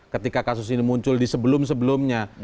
ketika kasus ini muncul di sebelum sebelumnya